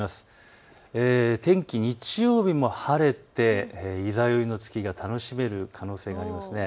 日曜日も晴れて十六夜の月が楽しめる可能性があります。